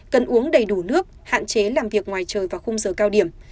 cần uống đầy đủ nước hạn chế làm việc ngoài trời vào khung giờ cao điểm